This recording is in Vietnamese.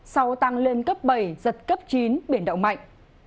sau tăng lên cấp bảy giật cấp chín biển động mạnh